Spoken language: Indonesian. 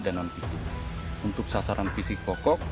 dan nanti untuk sasaran fisik kokok